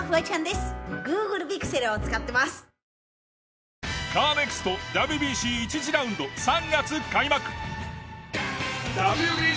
東京海上日動カーネクストＷＢＣ１次ラウンド３月開幕！